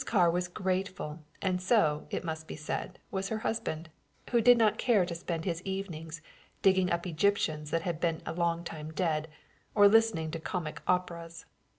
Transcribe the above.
Carr was grateful, and so, it must be said, was her husband, who did not care to spend his evenings digging up Egyptians that had been a long time dead, or listening to comic operas.